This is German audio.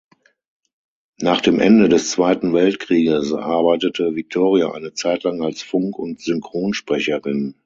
Nach dem Ende des Zweiten Weltkrieges arbeitete Viktoria eine Zeitlang als Funk- und Synchronsprecherin.